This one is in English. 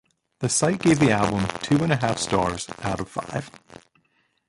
The site gave the album two and a half stars out of five.